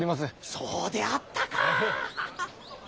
そうであったか！